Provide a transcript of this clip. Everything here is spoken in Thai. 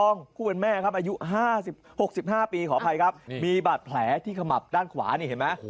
นี่ขออภัยครับมีบาดแผลที่ขมับด้านขวานี่เห็นมั้ย